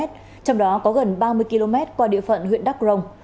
trong đó có gần ba mươi km qua địa phận huyện đắk rồng